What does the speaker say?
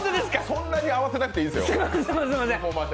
そんなに慌てなくていいですよ。